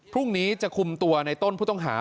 พรุ่งนี้จะคุมตัวในต้นผู้ต้องหา